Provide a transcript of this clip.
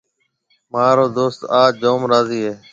مهارو دوست آج جوم راضِي هيَ۔